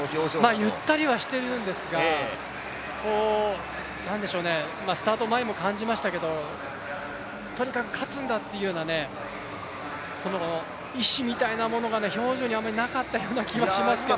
ゆったりはしているんですが、スタート前も感じましたけどとにかく勝つんだというような意思みたいなものが表情にあんまりなかったような気がしますけどね。